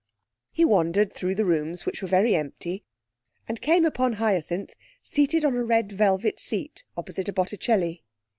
He wandered through the rooms, which were very empty, and came upon Hyacinth seated on a red velvet seat opposite a Botticelli.